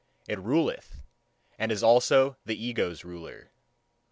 It ruleth, and is also the ego's ruler.